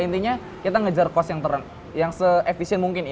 intinya kita ngejar cost yang se efficient mungkin ini